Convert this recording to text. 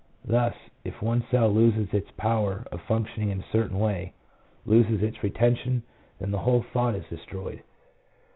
Thus, if one cell loses its power of functioning in a certain way, loses its retention, then the whole thought is de stroyed.